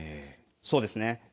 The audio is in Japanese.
そうですね。